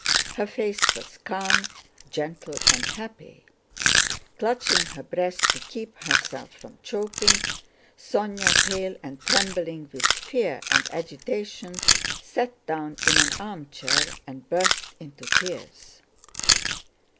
Her face was calm, gentle, and happy. Clutching her breast to keep herself from choking, Sónya, pale and trembling with fear and agitation, sat down in an armchair and burst into tears.